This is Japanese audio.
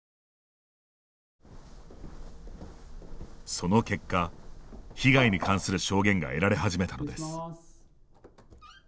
その結果、被害に関する証言が得られ始めたのです。